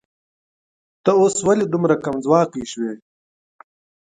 ته اوس ولې دومره کمځواکی شوې